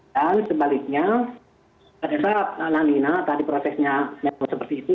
dan sebaliknya pada saat lanina tadi prosesnya seperti itu